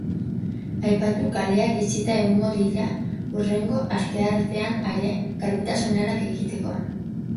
Aipatu kaleak itxita egongo dira hurrengo asteartean ere, garbitasun lanak egiteko.